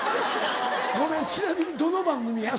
ごめんちなみにどの番組や？